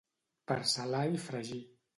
Per salar i fregir.